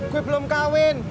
gue belum kawin